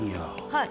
はい。